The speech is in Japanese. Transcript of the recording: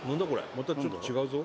またちょっと違うぞ。